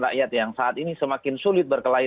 rakyat yang saat ini semakin sulit berkelahi